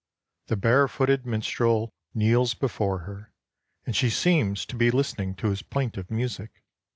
The barefooted min strel kneels before her, and she seems to be listening to his plaintive music.